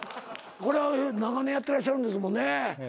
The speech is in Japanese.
これは長年やってらっしゃるんですもんね？